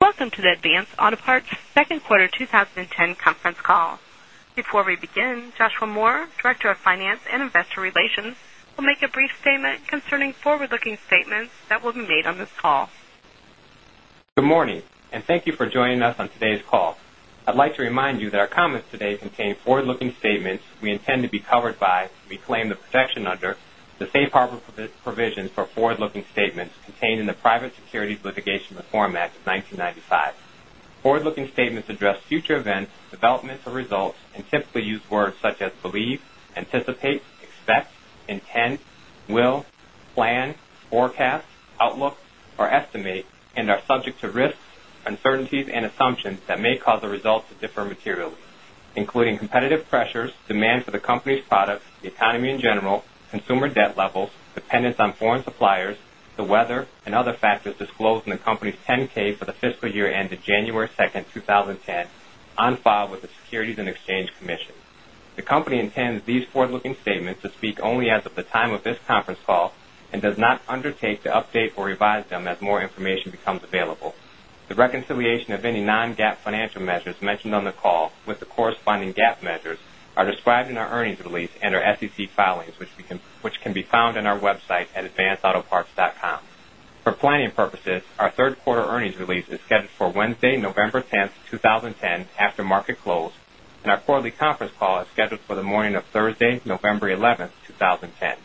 Welcome to the Advance Auto Parts Second Quarter 2010 Conference Call. Before we begin, Joshua Moore, Director of Finance and Investor Relations, will make a brief statement concerning forward looking statements that will be made on this call. Good morning, and thank you for joining us on today's call. I'd like to remind you that our comments today contain forward looking statements we intend to be covered by and we claim the protection under the Safe Harbor provisions for forward looking statements contained in the Private Securities Litigation Reform Act of 1995. Forward looking statements address future events, developments or results and typically use words such as believe, anticipate, expect, intend, will, plan, forecast, outlook or estimate and are subject to risks, uncertainties and assumptions that may cause the results to differ materially, including competitive pressures, demand for the company's products, the economy in general, consumer debt levels, dependence on foreign suppliers, the weather and other factors disclosed in the company's 10 ks for the fiscal year ended January 2, 2010, on file with the Securities and Exchange Commission. The company intends these forward looking statements to speak only as of the time of this conference call and does not undertake to update or revise them as more information becomes available. The reconciliation of any non GAAP financial measures mentioned on the call with the corresponding GAAP measures are described in our earnings release and our SEC filings, which can be found on our website at advancedautoparks.com. For planning purposes, our Q3 earnings release is scheduled for Wednesday, November 10, 2010 after market close and our quarterly conference call is scheduled for the morning of Thursday, November 11, 2010.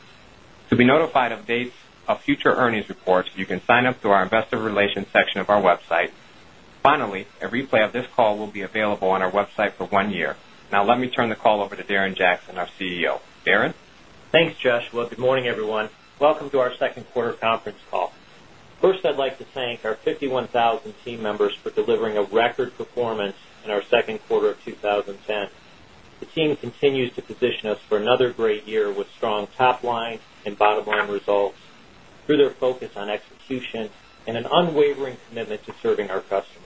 To be notified of dates of future earnings reports, you can sign up through our Investor Relations section of our website. Finally, a replay of this call will be available on our website for 1 year. Now let me turn the call over to Darren Jackson, our CEO. Darren? Thanks, Joshua. Good morning, everyone. Welcome to our Q2 conference call. First, I'd like to thank our 51,000 team members for delivering a record performance in our Q2 of 2010. The team continues to position us for another great year with strong top line and bottom line results through their focus on execution and an unwavering commitment to serving our customers.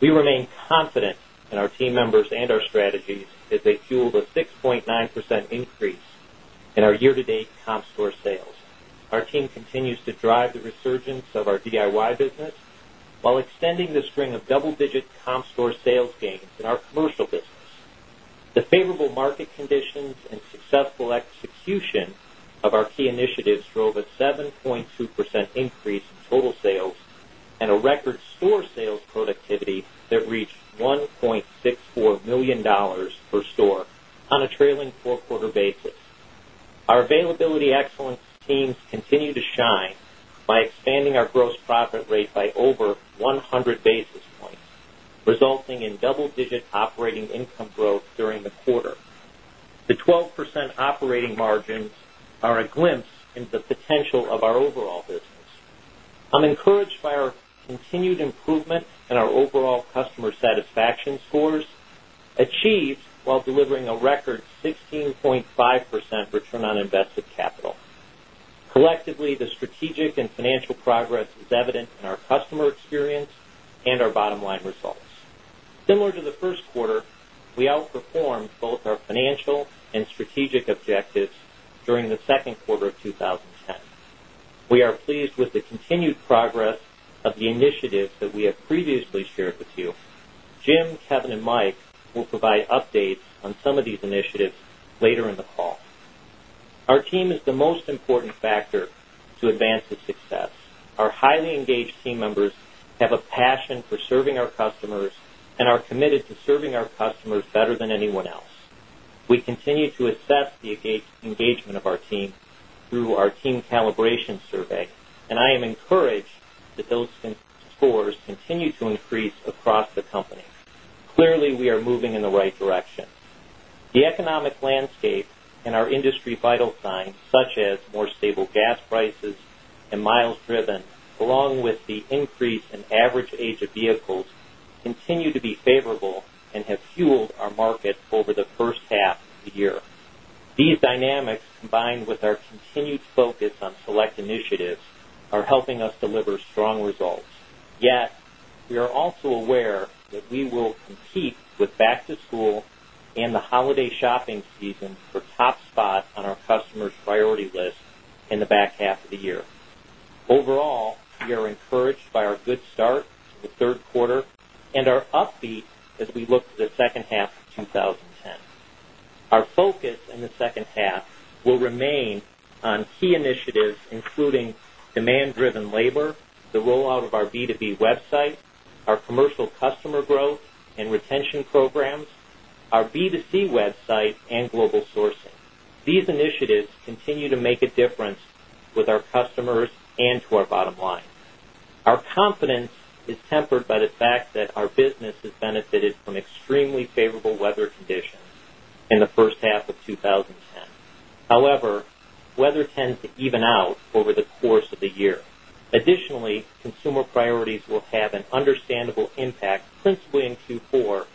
We remain confident in our team members and our strategies as they fueled a 6.9% increase in our year to date comp store sales. Our team continues to drive the resurgence of our DIY business, while extending the string of double digit comp store sales gains in our commercial business. The favorable market conditions and successful execution of our key initiatives drove a 7.2% increase in total sales and a record store sales productivity that reached $1,640,000 per store on a trailing 4 quarter basis. Our availability excellence teams continue to shine by expanding our gross profit rate by over 100 basis points, resulting in double digit operating income growth during the quarter. The 12% operating margins are a glimpse into the potential of our overall business. I'm encouraged by our continued improvement in our overall customer satisfaction scores achieved while delivering a record 16.5% return on invested capital. Collectively, the strategic and financial progress is evident in our customer experience and our bottom line results. Similar to the Q1, we outperformed both our financial and strategic objectives during the Q2 of 2010. We are pleased with the continued progress of the initiatives that we have previously shared with you. Jim, Kevin and Mike will provide updates on some of these initiatives later in the call. Our team is the most important factor to Advance's success. Our highly engaged team members have a passion for serving our customers and are committed to serving our customers better than anyone else. We continue to assess the engagement of our team through our team calibration survey and I am encouraged that those scores continue to increase across the company. Clearly, we are moving in the right direction. The economic landscape and our industry vital signs such as more stable gas prices and miles driven along with the increase in average age of vehicles continue to be favorable and have fueled our market over the first half of the year. These dynamics combined with our continued focus on select initiatives are helping us deliver strong results. Yet, we are also aware that we will compete with back to school and the holiday shopping season for top spot on our customers' priority list in the back half of the year. Overall, we are encouraged by our good start to the Q3 and our upbeat as we look to the second half of twenty ten. Our focus in the second half will remain on key initiatives including demand driven labor, the rollout of our B2B website, our commercial customer growth and retention programs, our B2C website and global sourcing. These initiatives continue to make a difference with our customers and to our bottom line. Our confidence is tempered by the fact that our business has benefited from extremely favorable weather conditions in the first half of twenty ten. However, weather tends to even out over the course of the year. Additionally, consumer priorities will have an understandable impact principally in Q4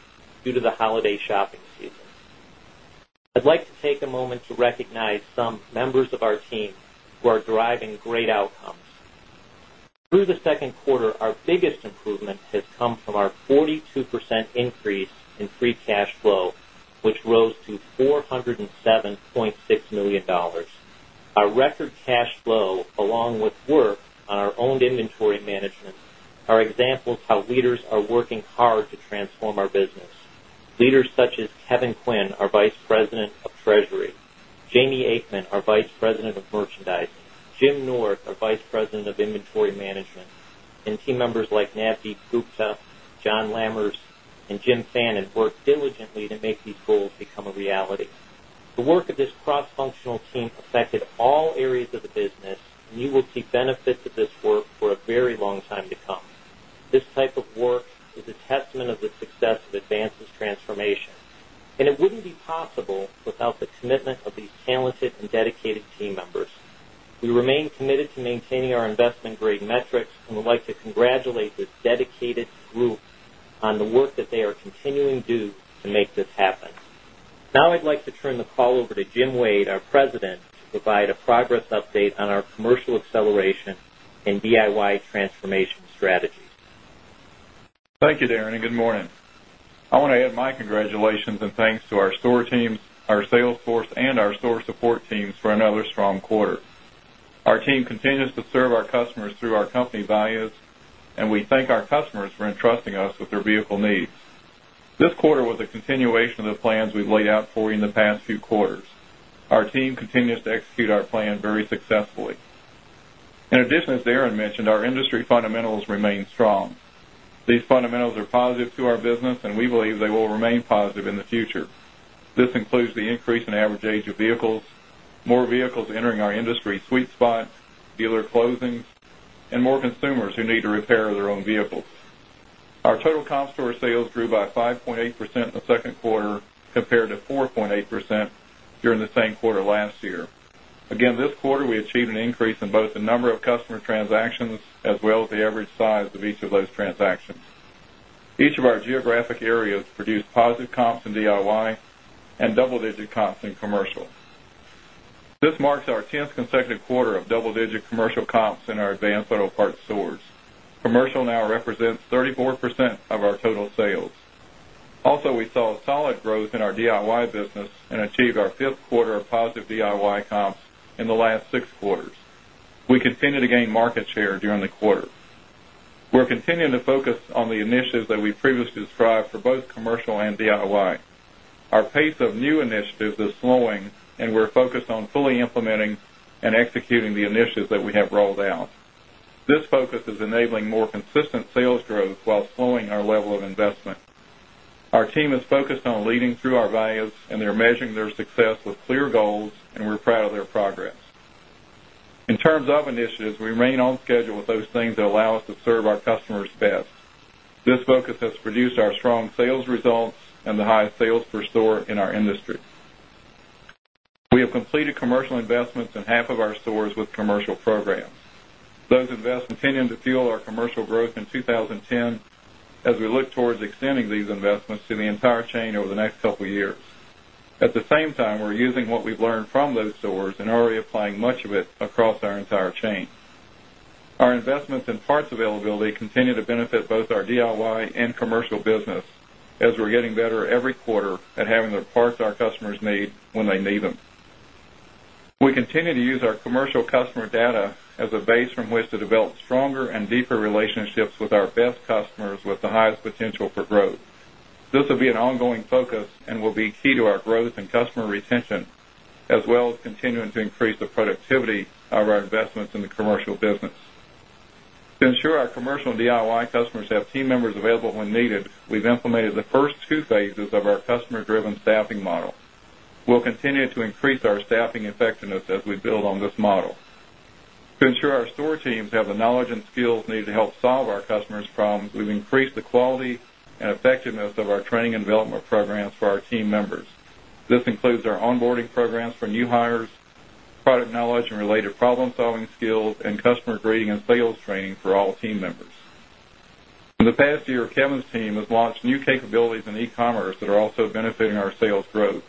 due to the holiday shopping season. I'd like to take a moment to recognize some members of our team who are driving great outcomes. Through the Q2, our biggest improvement has come from our 42% increase in free cash flow, which rose to $407,600,000 Our record cash flow along with work on our owned inventory management are examples how leaders are working hard to transform our business. Leaders such as Kevin Quinn, our Vice President of Treasury Jamie Aikman, our Vice President of Merchandising Jim North, our Vice President of Inventory Management and team members like Navdeep Gupta, John Lammers and Jim Fannon worked diligently to make these goals become a reality. The work of this cross functional team affected all areas of the business you will see benefits of this work for a very long time to come. This type of work is a testament of the success of Advances' transformation. And it wouldn't be possible without the commitment of these talented and dedicated team members. We remain committed to maintaining our investment grade metrics and would like to congratulate this dedicated group on the work that they are continuing to do to make this happen. Now I'd like to turn the call over to Jim Wade, our President, to provide a progress update on our commercial acceleration and DIY transformation strategies. Thank you, Darren, and good morning. I want to add my congratulations and thanks to our store teams, our sales force and our store support teams for another strong quarter. Our team continues to serve our customers through our company values and we thank our customers for entrusting us with their vehicle needs. Quarter was a continuation of the plans we've laid out for you in the past few quarters. Our team continues to execute our plan very successfully. In addition, as Darren mentioned, our industry fundamentals remain strong. These fundamentals are positive to our business and we believe they will remain positive in the future. This includes the increase in average age of vehicles, more vehicles entering our industry sweet spot, dealer closings and more consumers who need to repair their own vehicles. Our total comp store sales grew by 5.8% in the Q2 compared to 4.8% during the same quarter last year. Again, this quarter, we achieved an increase in both the number of customer transactions as well as the average size of each of those transactions. Each of our geographic areas produced positive comps in DIY and double digit comps in commercial. This marks our 10th consecutive quarter of double digit commercial comps in our Advanced Auto Parts stores. Commercial now represents 34% of our total sales. Also we saw solid growth in our DIY business and achieved our 5th quarter of positive DIY comps in the last 6 quarters. We continue to gain market share during the quarter. We're continuing to focus on the initiatives that we previously described for both commercial and DIY. Our pace of new initiatives is slowing and we're focused on fully implementing and executing the initiatives that we have rolled out. This focus is enabling more consistent sales growth while slowing our level of investment. Our team is focused on leading through our values and they're measuring their success with clear goals and we're proud of their progress. In terms of initiatives, we remain on schedule with those things that allow us to serve our customers best. This focus has produced our strong sales results and the highest sales per store in our industry. We have completed commercial investments in half of our stores with commercial programs. Those investments continue to fuel our commercial growth in 2010 as we look towards extending these investments to the entire chain over the next couple of years. At the same time, we're using what we've learned from those stores and already applying much of it across our entire chain. Our investments in parts availability continue to benefit both our DIY and commercial business as we're getting better every quarter at having the parts our customers need when they need them. We continue to use our commercial customer data as a base from which to develop stronger and deeper relationships with our best customers with the highest potential for growth. This will be an ongoing focus and will be key to our growth and customer retention as well as continuing to increase the productivity of our investments in the commercial business. To ensure our commercial DIY customers have team members available when needed, we've implemented the first two phases of our customer driven staffing model. We'll continue to increase our staffing effectiveness as we build on this model. To ensure our store teams have the knowledge and skills needed to help solve our customers' problems, we've increased the quality and effectiveness of our training and development programs for our team members. This includes our onboarding programs for new hires, product knowledge and related problem solving skills and customer grading and sales training for all team members. In the past year, Kevin's team has launched new capabilities in e commerce that are also benefiting our sales growth.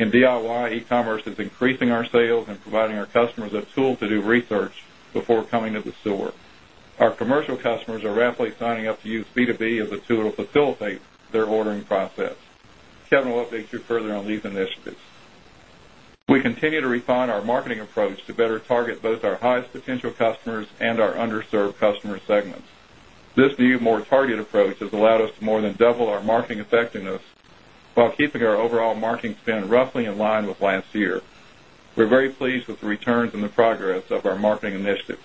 In DIY, e commerce is increasing our sales and providing our customers a tool to do research before coming to the store. Our commercial customers are rapidly signing up to use B2B as a tool to facilitate their ordering process. Kevin will update you further on these initiatives. We continue to refine our marketing approach to better target both our highest potential customers and our underserved customer segments. This new more targeted approach has allowed us to more than double our marketing effectiveness, while keeping our overall marketing spend roughly in line with last year. We're very pleased with the returns and the progress of our marketing initiatives.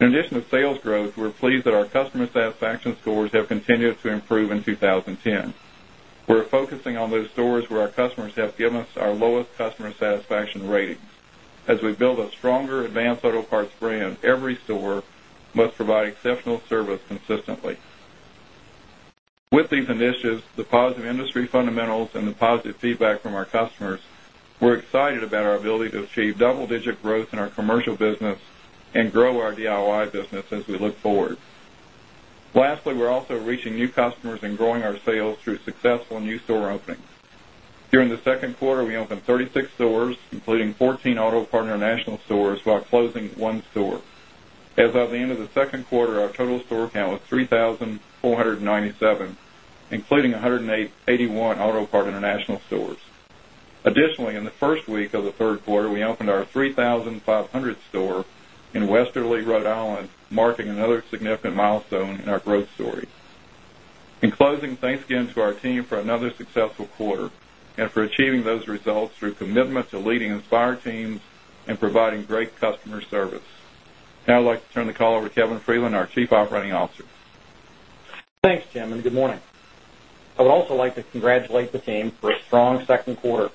In addition to sales growth, we're pleased that our customer satisfaction scores have continued to improve in 2010. We're focusing on those stores where our customers have given us our lowest customer satisfaction ratings. As we build a stronger Advanced Auto Parts brand, every store must provide exceptional service consistently. With these initiatives, the positive industry fundamentals and the positive feedback from our customers, we're excited about our ability to achieve double digit growth in our commercial business and grow our DIY business as we look forward. Lastly, we're also reaching new customers and growing our sales through successful new store openings. During the Q2, we opened 36 stores, including 14 AutoPartner National stores while closing 1 store. As of the end of the Q2, our total store count was 3,497 including 181 AutoPart International stores. Additionally, in the 1st week of Q3, we opened our 3,500 store in Westerly Rhode Island, marking another significant milestone in our growth story. In closing, thanks again to our team for another successful quarter and for achieving those results through commitment to leading Inspire teams and providing great customer service. Now I'd like to turn the call over to Kevin Freeland, our Chief Operating Officer. Thanks, Jim, and good morning. I would also like to congratulate the team for a strong second quarter.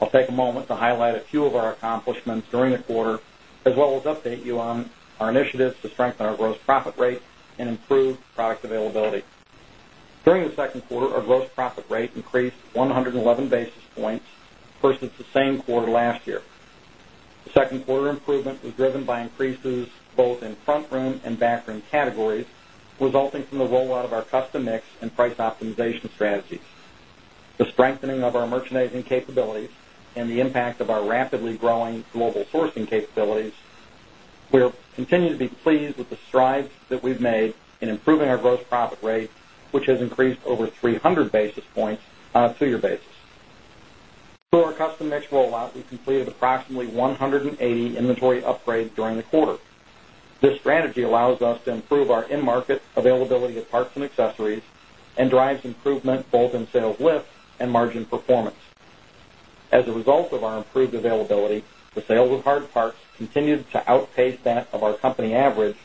I'll take a moment to highlight a few of our accomplishments during the quarter as well as update you on our initiatives to strengthen our gross profit rate and improve product availability. During the Q2, our gross profit rate increased 111 basis points versus the same quarter last year. The 2nd quarter improvement was driven by increases both in front room and back room categories resulting from the rollout of our custom mix and price optimization strategies. The strengthening of our merchandising capabilities and the impact of our rapidly growing global sourcing capabilities. We continue to be pleased with the strides that we've made in improving our gross profit rate, which has increased over 300 basis points on a 2 year basis. Through our custom mix rollout, we completed approximately 180 inventory upgrades during the quarter. This strategy allows us to improve our end market availability of parts and accessories and drives improvement both in sales lift and margin performance. As a result of our improved availability, the sales of hard parts continued to outpace that of our company average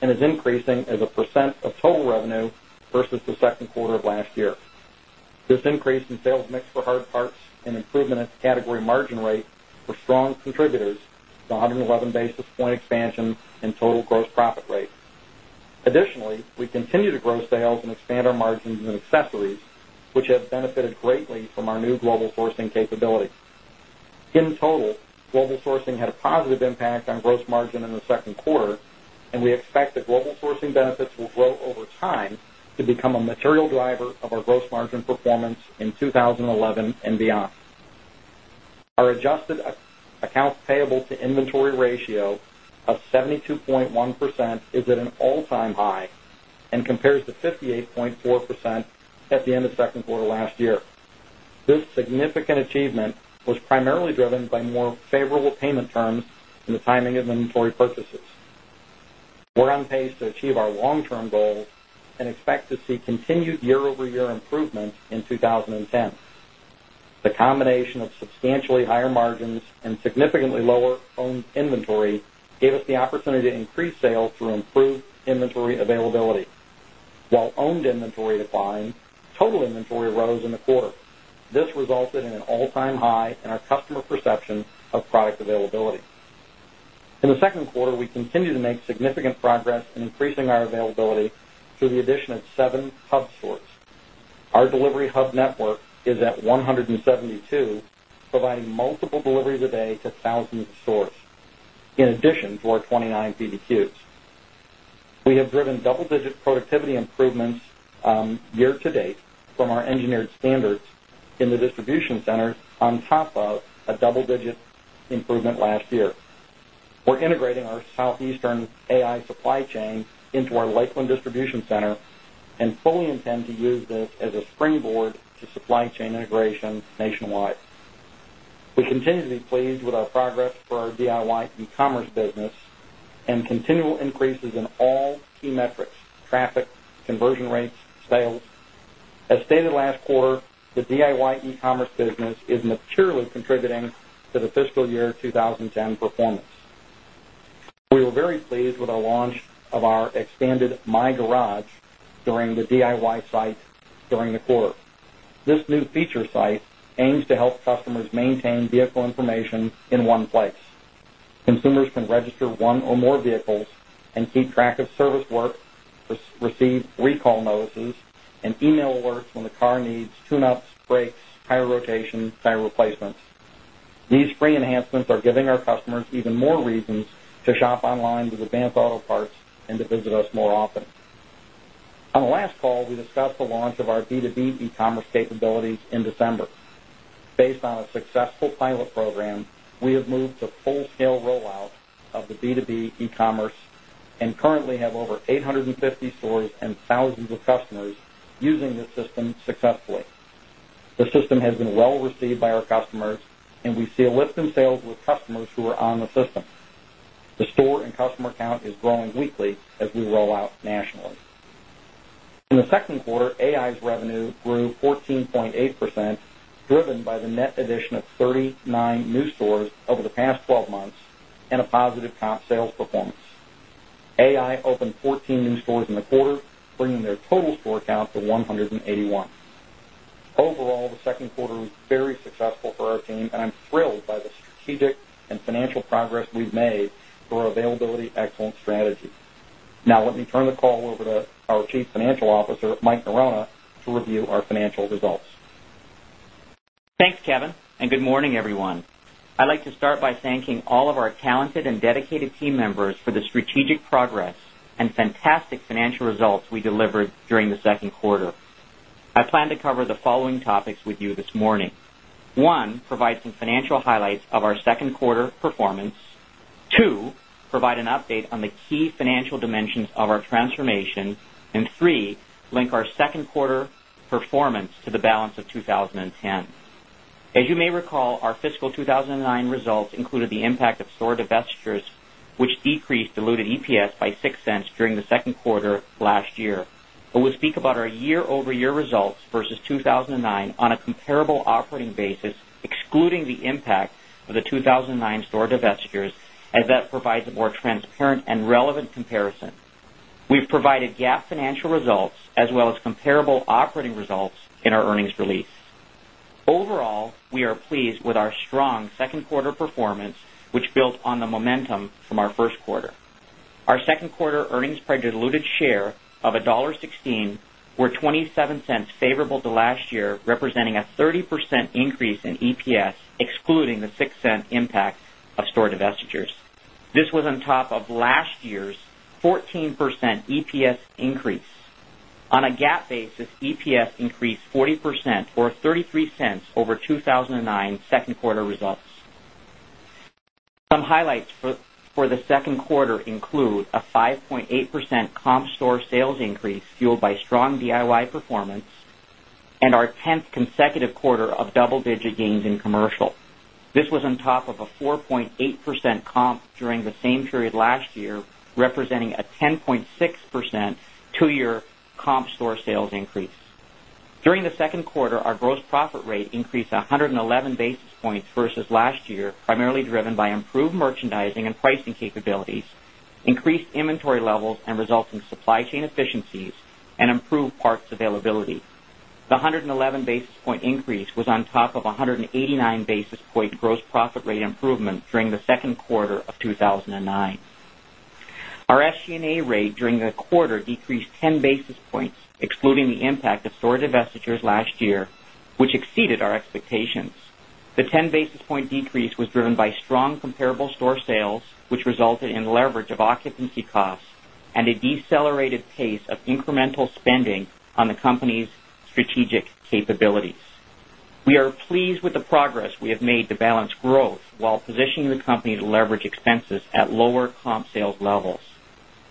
and is increasing as a percent of total revenue versus the Q2 of last year. This increase in sales mix for hard parts and improvement in category margin rate were strong contributors to 111 basis point expansion in total gross profit rate. Additionally, we continue to grow sales and expand our margins in accessories, which have benefited greatly from our new global sourcing capability. In total, global sourcing had a positive impact on gross margin in the Q2 and we expect that global sourcing benefits will grow over time to become a material driver of our gross margin performance in 2011 and beyond. Our adjusted accounts payable to inventory ratio of 72.1% is at an all time high and compares to 58.4% at the end of Q2 last year. This significant achievement was primarily driven by more favorable payment terms and the timing of inventory purchases. We're on pace to achieve our long term goal and expect to see continued year over year improvement in 2010. The combination of substantially higher margins and significantly lower owned inventory gave us the opportunity to increase sales through improved inventory availability. While owned inventory declined, total inventory rose in the quarter. This resulted in an all time high in our customer perception of product availability. In the Q2, we continue to make significant progress in increasing our availability through the addition of 7 hub stores. Our delivery hub network is at 172 providing multiple deliveries a day to 1,000 stores in addition to our 29 PBQs. We have driven double digit productivity improvements year to date from our engineered standards in the distribution center on top of a double digit improvement last year. We're integrating our Southeastern AI supply chain into our Lakeland distribution center and fully intend to use this as a springboard to supply chain integration nationwide. We continue to be pleased with our progress for our DIY e commerce business and continual increases in all key metrics traffic, conversion rates, sales. As stated last quarter, the DIY e Commerce business is materially contributing to the fiscal year 2010 performance. We were very pleased with our launch of our expanded My Garage during the DIY site during the quarter. This new feature site aims to help customers maintain vehicle information in one place. Consumers can register 1 or more vehicles and keep track of service work, receive recall notices and e mail alerts when the car needs tune ups, brakes, tire rotation, tire replacements. These free enhancements are giving our customers even more reasons to shop online with Advanced Auto Parts and to visit us more often. On the last call, we discussed the launch of our B2B e commerce capabilities in December. Based on a successful pilot program, we have moved to full scale rollout of the B2B e Commerce and currently have over 850 stores and thousands of customers using this system successfully. The system has been well received by our customers and we see a lift in sales with customers who are on the system. The store and customer count is growing weekly as we roll out nationally. In the Q2, AI's revenue grew 14.8 percent driven by the net addition of 39 new stores over the past 12 months and a positive comp sales performance. AI opened 14 new stores in the quarter bringing their total store count to 181. Overall, the Q2 was very successful for our team and I'm thrilled by the strategic and financial progress we've made through our availability excellence strategy. Now let me turn the call over to our Chief Financial Officer, Mike Norona to review our financial results. Thanks, Kevin, and good morning, everyone. I'd like to start by thanking all of our talented and dedicated team members for the strategic progress and fantastic financial results we delivered during the Q2. I plan to cover the following topics with you this morning. 1, provide some financial highlights of our Q2 performance 2, provide an update on the key financial dimensions of our transformation and 3, link our 2nd quarter performance to the balance of 2010. As you may recall, our fiscal 2019 results included the impact of store divestitures, which decreased diluted EPS by $0.06 during the Q2 last year. I will speak about our year over year results versus 2,009 on a comparable operating basis excluding the impact of the 2,009 store divestitures as that provides a more transparent and relevant comparison. We've provided GAAP financial results as well as comparable operating results in our earnings release. Overall, we are pleased with our strong 2nd quarter performance, which built on the momentum from our Q1. Our 2nd quarter earnings per diluted share of $1.16 were $0.27 favorable to last year, representing a 30% increase in EPS excluding the $0.06 impact of store divestitures. This was on top of last year's 14% EPS increase. On a GAAP basis, EPS increased 40% or $0.33 over 2,009 second quarter results. Some highlights for the 2nd quarter include a 5.8% comp store sales increase fueled by strong DIY performance and our 10th consecutive quarter of double digit gains in commercial. This was on top of a 4.8% comp during the same period last year, representing a 10.6% 2 year comp store sales increase. During the Q2, our gross profit rate increased 111 basis points versus last year primarily driven by improved merchandising and pricing capabilities, increased inventory levels and resulting supply chain efficiencies and improved parts availability. The 111 basis point increase was on top of 189 basis point gross profit rate improvement during the Q2 of 2009. Our SG and A rate during the quarter decreased 10 basis points excluding the impact of store divestitures last year, which exceeded our expectations. The 10 basis point decrease was driven by strong comparable store sales, which resulted in leverage of occupancy costs and a decelerated pace of incremental spending on the company's strategic capabilities. We are pleased with the progress we have made to balance growth while positioning the company to leverage expenses at lower comp sales levels.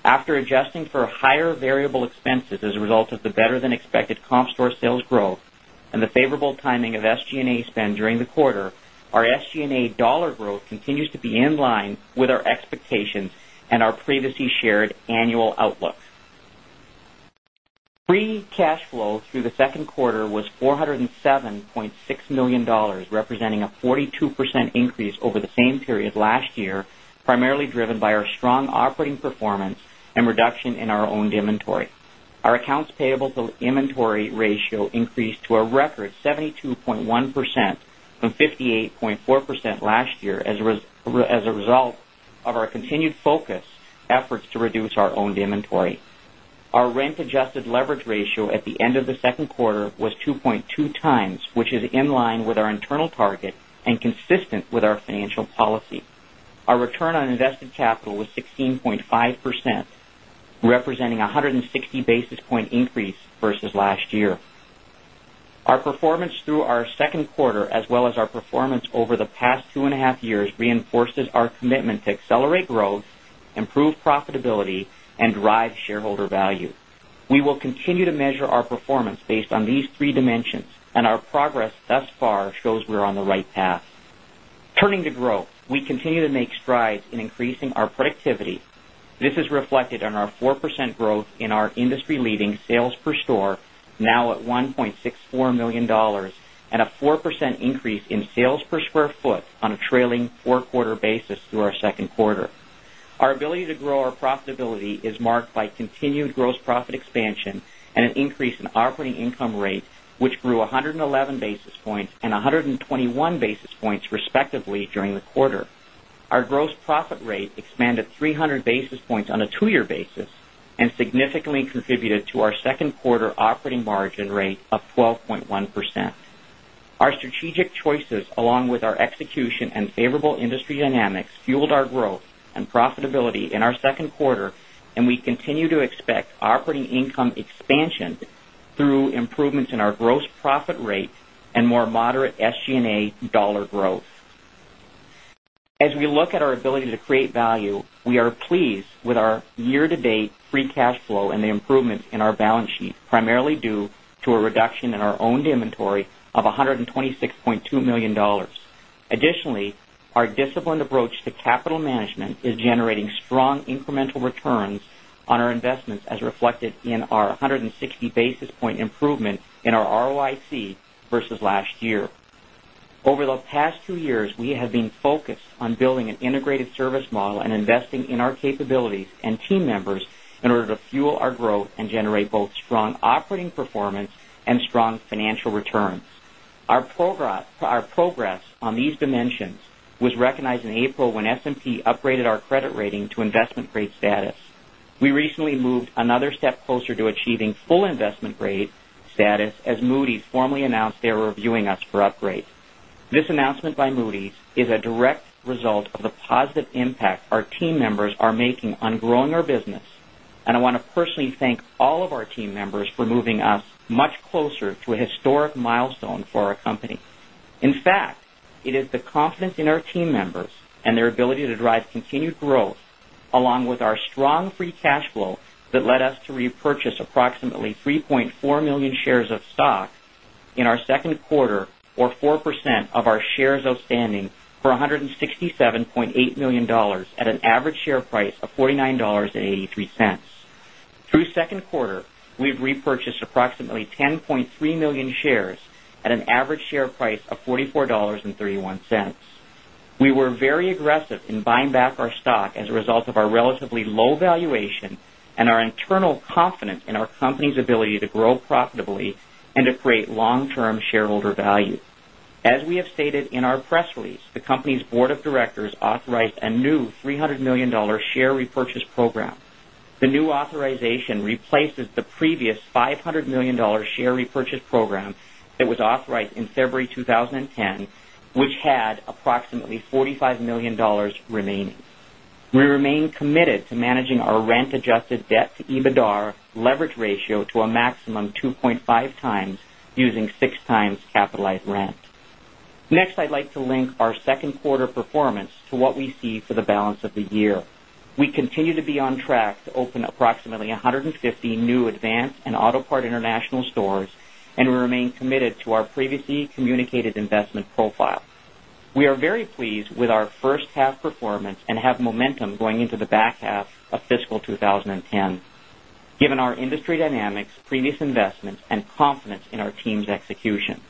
After adjusting for higher variable expenses as a result of the better than expected comp store sales growth and the favorable timing of SG and A spend during the quarter, our SG and A dollar growth continues to be in line with our expectations and our previously shared annual outlook. Free cash flow through the Q2 was $407,600,000 representing a 42% increase over the same period last year, primarily driven by our strong operating performance and reduction in our owned inventory. Our accounts payable to inventory ratio increased to a record 72.1 percent from 58.4% last year as a result of our continued focus efforts to reduce our owned inventory. Our rent adjusted leverage ratio at the end of the second quarter was 2.2 times, which is in line with our internal target and consistent with our financial policy. Our return on invested capital was 16.5%, representing 160 basis point increase versus last year. Our performance through our Q2 as well as our performance over the past two and a half years reinforces our commitment to accelerate growth, improve profitability and drive shareholder value. We will continue to measure our performance based on these three dimensions and our progress thus far shows we're on the right path. Turning to growth. We continue to make strides in increasing our productivity. This is reflected on our 4% growth in our industry leading sales per store now at $1,640,000 and a 4% increase in sales per square foot on a trailing 4 quarter basis through our Q2. Our ability to grow our profitability is marked by continued gross profit expansion and an increase in operating income rate, which grew 111 basis points and 121 basis points respectively during the quarter. Our gross profit rate expanded 300 basis points on a 2 year basis and significantly contributed to our 2nd quarter operating margin rate of 12.1%. Our strategic choices along with our execution and favorable industry dynamics fueled our growth and profitability in our Q2 and we continue to expect operating income expansion through improvements in our gross profit rate and more moderate SG and A dollar growth. As we look at our ability to create value, we are pleased with our year to date free cash flow and the improvement in our balance sheet, primarily due to a reduction in our owned inventory of $126,200,000 Additionally, our disciplined approach to capital management is generating strong incremental returns on our investments as reflected in our 160 basis point improvement in our ROIC versus last year. Over the past 2 years, we have been focused on building an integrated service model and investing in our capabilities and team members in order to fuel our growth and generate both strong operating performance and strong financial returns. Our progress on these dimensions was recognized in April when S and P upgraded our credit rating to investment grade status. We recently moved another step closer to achieving full investment grade status as Moody's formally announced they are reviewing us for upgrades. This announcement by Moody's is a direct result of the positive impact our team members are making on growing our business. And I want to personally thank all of our team members for moving us much closer to a historic milestone for our company. In fact, it is the confidence in our team members and their ability to drive continued growth along with our strong free cash flow that led us to repurchase approximately 3,400,000 shares of stock in our 2nd quarter or 4% of our shares outstanding for $167,800,000 at an average share price of $49.83 Through Q2, we've repurchased approximately 10,300,000 shares at an average share price of $44.31 We were very aggressive in buying back our stock as a result of our relatively low valuation and our internal confidence in our company's ability to grow profitably and to create long term shareholder value. As we have stated in our press release, the company's Board of Directors authorized a new $300,000,000 share repurchase program. The new authorization replaces the previous $500,000,000 share repurchase program that was authorized in February 2010, which had approximately $45,000,000 remaining. We remain committed to managing our rent adjusted debt to EBITDAR leverage ratio to a maximum 2.5 times using 6 times capitalized rent. Next, I'd like to link our 2nd quarter performance to what we see for the balance of the year. We continue to be on track to open approximately 150 new Advanced and Auto Parts International stores and we remain committed to our previously communicated investment profile. We are very pleased with our first half performance and have momentum going into the back half of fiscal 2010, given our industry dynamics, previous investments and confidence in our team's execution.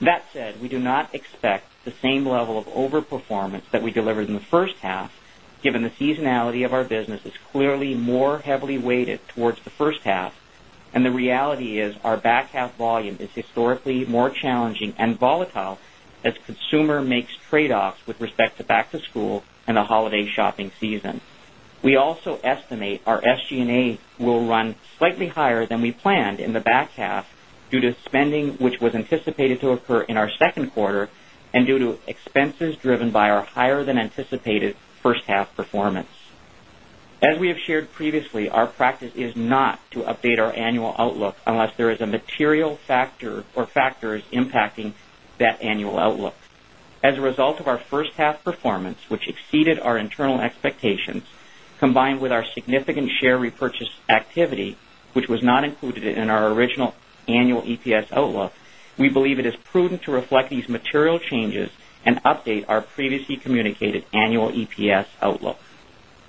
That said, we do not expect the same level of over performance that we delivered in the first half, given the seasonality of our business is clearly more heavily weighted towards the first half. And the reality is our back half volume is historically more challenging and volatile as consumer makes trade offs with respect to back to school and the holiday shopping season. We also estimate our SG and A will run slightly higher than we planned in the back half due to spending which was anticipated to occur in our Q2 and due to expenses driven by our higher than anticipated first half performance. As we have shared previously, our practice is not to update our annual outlook unless there is a material factor or factors impacting that annual outlook. As a result of our first half performance, which exceeded our internal expectations, combined with our significant share repurchase activity, which was not included in our original annual EPS outlook, we believe it is prudent to reflect these material changes and update our previously communicated annual EPS outlook.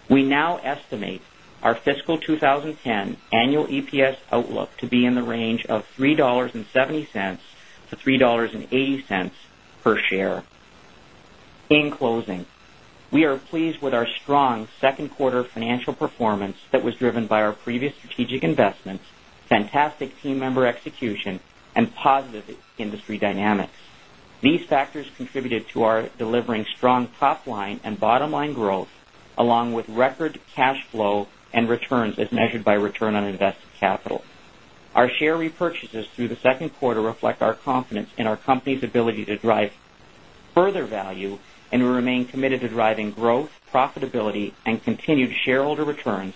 We now estimate our fiscal 20 10 annual EPS outlook to be in the range of $3.70 to $3.80 per share. In closing, we are pleased with our strong second quarter financial performance that was driven by our previous strategic investments, fantastic team member execution and positive industry dynamics. These factors contributed to our delivering strong top line and bottom line growth along with record cash flow and returns as measured by return on invested capital. Our share repurchases through the Q2 reflect our confidence in our company's ability to drive further value and we remain committed to driving growth, profitability and continued shareholder returns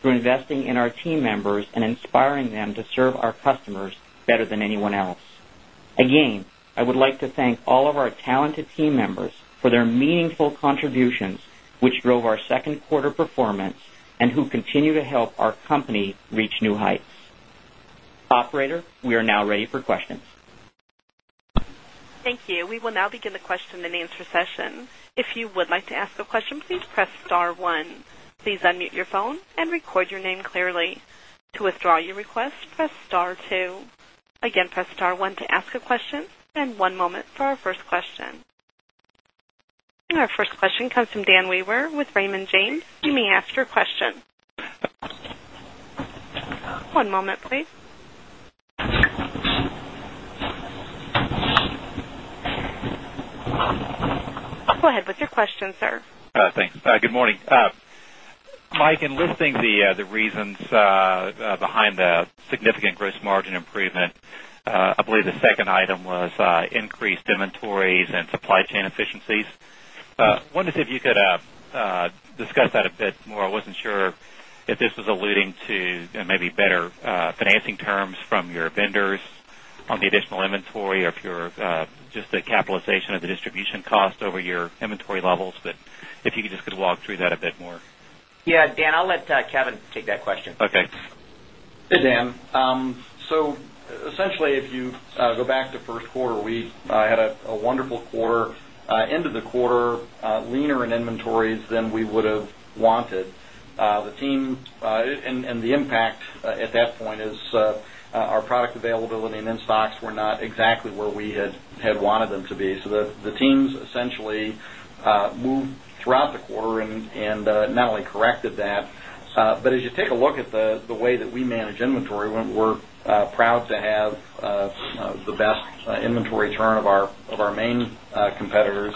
through investing in our team members and inspiring them to serve our customers better than anyone else. Again, I would like to thank all of our talented team members for their meaningful contributions, which drove our 2nd quarter performance and who continue to help our company reach new heights. Operator, we are now ready for questions. Thank you. We will now begin the question and answer session. Our first question comes from Dan Weywer with Raymond James. You may ask your question. One moment please. Go ahead with your question sir. Good morning. Mike, in listing the reasons behind the significant gross margin improvement, I believe the second item was increased inventories and supply chain efficiencies. I wanted to see if you could discuss that a bit more. I wasn't sure if this was alluding to maybe better financing terms from your vendors on the additional inventory or if you're just the capitalization of the distribution cost over your inventory levels, but if you could just walk through that a bit more? Yes, Dan, I'll let Kevin take that question. Okay. Hey, Dan. So essentially, if you go back to Q1, we had a wonderful quarter, ended the quarter, leaner in inventories than we would have wanted. The team and the impact at that point is our product availability and in stocks were not exactly where we had wanted them to be. So the teams essentially moved throughout the quarter and not only corrected that, but as you take a look at the way that we manage inventory, we're proud to have the best inventory churn of our main competitors.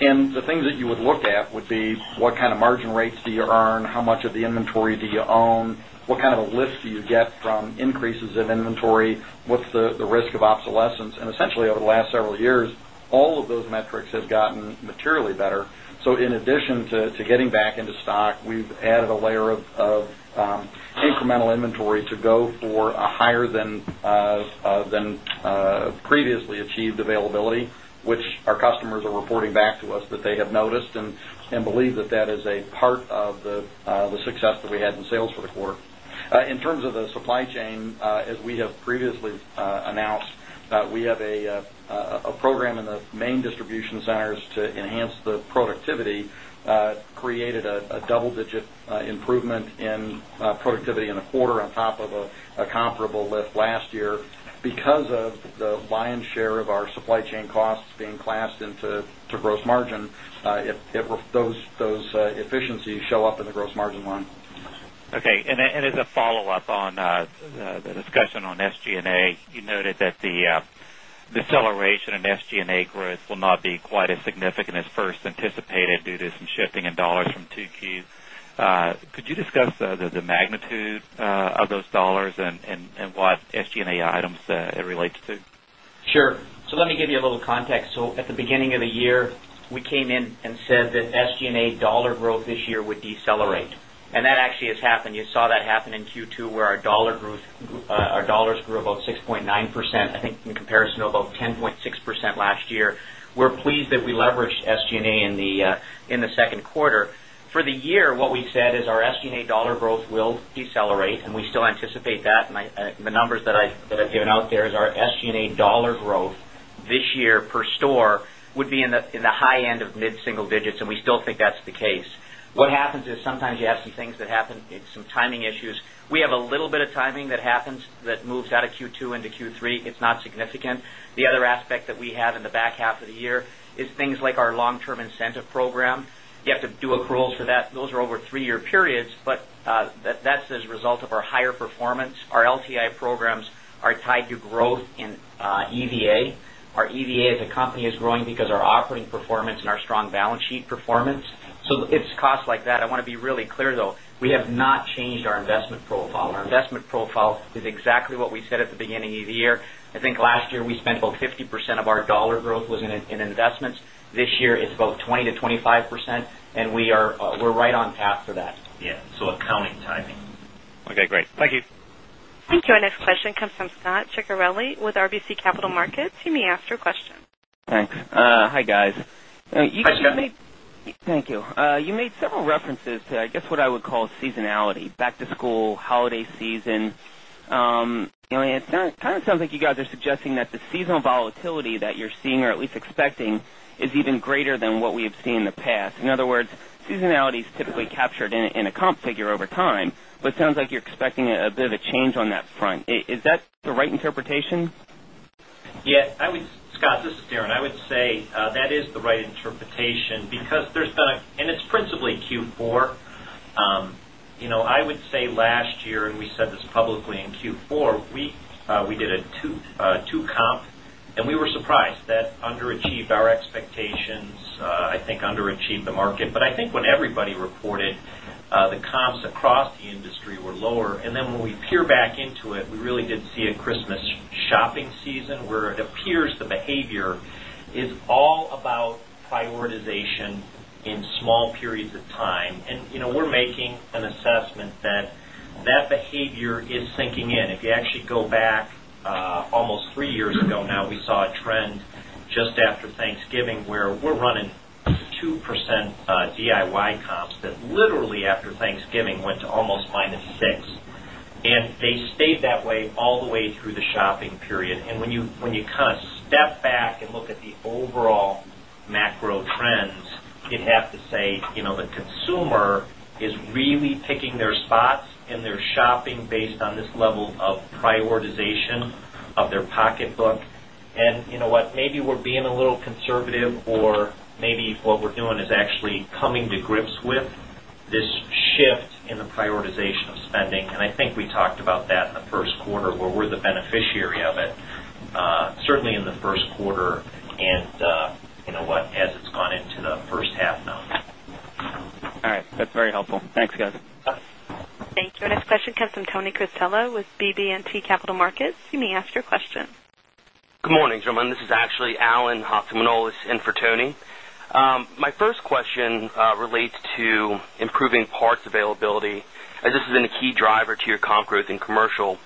And the things that you would look at would be what kind of margin rates do you earn, how much of the inventory do you own, what kind of a lift do you get from increases of inventory, what's risk of obsolescence. And essentially over the last several years, all of those metrics have gotten materially better. So in addition to getting back into stock, we've added a layer of incremental inventory to go for a higher than previously achieved availability, which our customers are reporting back to us that they have noticed and believe that that is a part of the success that we had in sales for the quarter. In terms of the supply chain, as we have previously announced, we have a program in the main distribution centers to enhance the productivity, created a double digit improvement in productivity in the quarter on top of a comparable lift last year because of the lion's share of our supply chain costs being classed into gross margin, if those efficiencies up in the gross margin line. Okay. And as a follow-up on the discussion on SG and A, you noted that the deceleration in SG and A growth will not be quite as significant as first anticipated due to some shifting in dollars from 2Q. Could you discuss the magnitude of those dollars and what SG and A items it relates to? Sure. So, let me give you a little context. So, at the beginning of the year, we came in and said that SG and A dollar growth this year would decelerate. And that actually has happened. You saw that happen in Q2 where our dollar growth our dollars grew about 6.9%, I think in comparison to about 10.6% last year. We're pleased that we leveraged SG and A in the Q2. For the year, what we said is our SG and A dollar growth will decelerate and we still anticipate that. The numbers that I've given out there is our SG and A dollar growth this year per store would be in the high end of mid single digits and we still think that's the case. What happens is sometimes you have some things that happen, it's some timing issues. We have a little bit of timing that happens that moves out of Q2 into Q3. It's not significant. The other aspect that we have in the back half of the year is things like our long term incentive program. You have to do accruals for that. Those are over 3 year periods, but that's as a result of our higher performance. Our LTI programs are tied to growth in EVA. Our EVA as a company is growing because our operating performance and our strong balance sheet performance. So, it's cost like that. I want to be really clear though, we have not changed our investment profile. Our investment profile is exactly what we said at the beginning of the year. I think last year, we spent about 50% of our dollar growth was in investments. This year it's about 20% to 25% and we are right on path for that. Yes. So accounting timing. Okay, great. Thank you. Thank you. Our next question comes from Scot Ciccarelli with RBC Capital Markets. You may ask your question. Thanks. Hi, guys. Hi, Scot. Thank you. You made several references to, I guess, what I would call seasonality, back to school holiday season. It kind of sounds like you guys are suggesting that the seasonal volatility that you're seeing or at least expecting is even greater than what we have seen in the past. In other words, seasonality is typically captured in a comp figure over time, but it sounds like you're expecting a bit of a change on that front. Is that the right interpretation? Yes. I would Scott, this is Darren. I would say that is the right interpretation because there's been a and it's principally Q4. I would say last year and we said this publicly in Q4, we did a 2 comp and we were surprised that underachieved our expectations, I think underachieved the market. But I think when everybody reported, the comps across the industry were lower. And then when we peer back into it, we really did see a Christmas shopping season where it appears the behavior is all about prioritization in small periods of time. And we're making an assessment that that behavior is sinking in. If you actually go back almost 3 years ago now, we saw a trend just after Thanksgiving where we're running 2% DIY comps that literally after Thanksgiving went to almost minus 6%. And they stayed that way all the way through the shopping period. And when you kind of step back and look at the overall macro trends, you'd have to say, the consumer is really picking their spots and they're shopping based on this level of prioritization of their pocketbook. And you know what, maybe we're being a little conservative or maybe what we're doing is actually coming to grips with this shift in the prioritization of spending. And I think we talked about that in the Q1 where we're the beneficiary of it, certainly in the Q1 and what as it's gone into the first half now. All right. That's very helpful. Thanks, guys. Thank you. Our next question comes from Tony Cristiello with BB and T Capital Markets. You may ask your question. Good morning gentlemen. This is actually Alan Hossamanolis in for Tony. My first question relates to improving parts availability. This has been a key driver to your comp growth in commercial.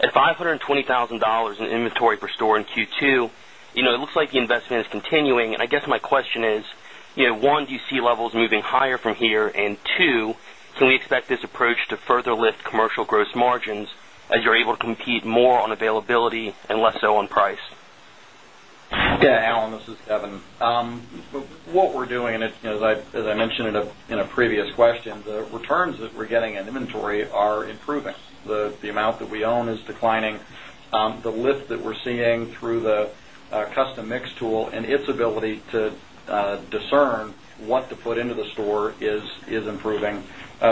At $520,000 in inventory per store in Q2, it looks like the investment is continuing. And I guess my question is, 1, do you see levels moving higher from here? And 2, can we expect this approach to further lift commercial gross margins as you're able to compete more on availability and less so on price? Yes. Alan, this is Kevin. What we're doing and as I mentioned in a previous question, the returns that we're getting in inventory are improving. The amount that we own is declining. The lift that we're seeing through the custom mix tool and its ability to discern what to put into the store is improving.